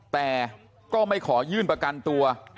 แต่ก็ไม่ขอยื่นประกันตัว